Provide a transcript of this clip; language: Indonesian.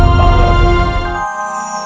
kamu bakal berukun